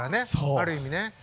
ある意味ね。